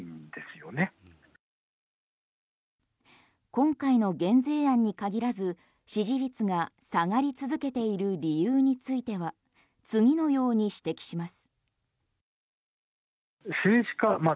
今回の減税案に限らず支持率が下がり続けている理由については次のように指摘します。